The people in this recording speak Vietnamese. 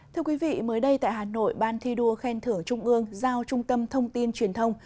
thưa quý vị mới đây tại hà nội ban thi đua khen thưởng trung ương giao trung tâm thông tin truyền thông